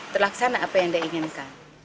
terlaksana apa yang dia inginkan